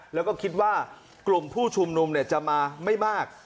แล้วก็คิดว่ากลุ่มผู้ชุมนุมจะมาไม่มาก